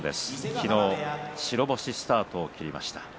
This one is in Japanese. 昨日、白星スタートを切りました。